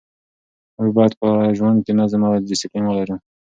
موږ باید په ژوند کې نظم او ډسپلین ولرو.